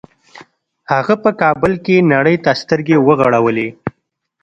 هغه په کابل کې نړۍ ته سترګې وغړولې